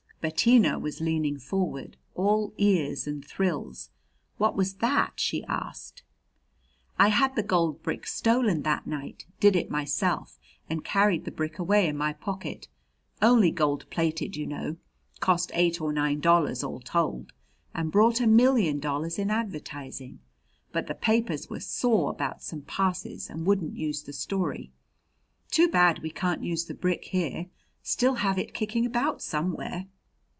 Bettina was leaning forward, all ears and thrills. "What was that?" she asked. "I had the gold brick stolen that night did it myself and carried the brick away in my pocket only gold plated, you know. Cost eight or nine dollars, all told, and brought a million dollars in advertising. But the papers were sore about some passes and wouldn't use the story. Too bad we can't use the brick here. Still have it kicking about somewhere."